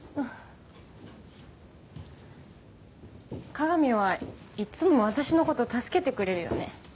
加賀美はいっつも私の事助けてくれるよね。